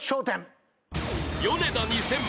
［ヨネダ２０００